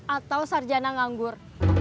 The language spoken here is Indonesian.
atau sarjana nganggur